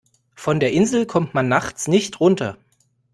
Von der Insel kommt man nachts nicht runter.